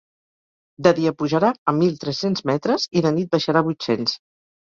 De dia pujarà a mil tres-cents metres i de nit baixarà a vuit-cents.